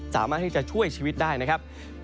สามารถที่จะช่วยชีวิตได้นะครับ